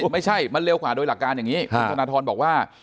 ไม่ใช่มันเร็วกว่าโดยหลักการอย่างนี้คุณธนทรบอกว่า